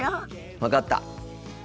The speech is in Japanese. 分かった。